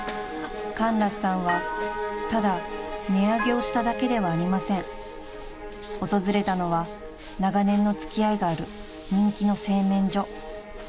［カンラスさんはただ値上げをしただけではありません］［訪れたのは長年の付き合いがある人気の製麺所］